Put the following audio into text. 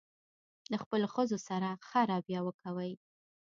له خپلو ښځو سره ښه راویه وکوئ.